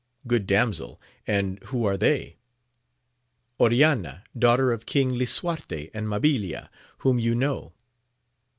— Good damsel, and who are they ?— Oriana, daughter of King lisuarte, and Mabilia, whom you know.